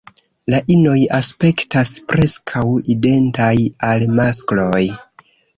La inoj aspektas preskaŭ identaj al maskloj.